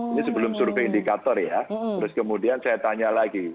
ini sebelum survei indikator ya terus kemudian saya tanya lagi